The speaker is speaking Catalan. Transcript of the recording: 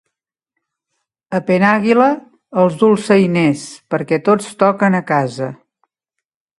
A Penàguila, els dolçainers, perquè tots toquen a casa.